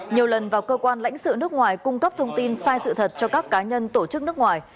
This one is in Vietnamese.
nhiều lần vào cơ quan lãnh sự nước ngoài cung cấp thông tin sai sự thật cho các cá nhân tổ chức nước ngoài